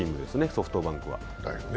ソフトバンクは。